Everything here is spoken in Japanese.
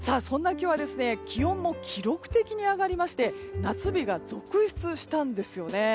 今日は気温も記録的に上がりまして夏日が続出したんですよね。